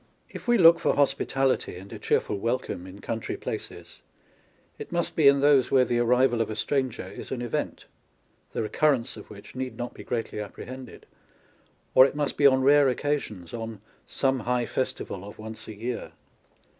If we look for hospi tality and a cheerful welcome in country places, it must be in those where the arrival of a stranger is an event, the recurrence of which need not be greatly apprehended, or it must be on rare occasions, on " some high festival of once a year."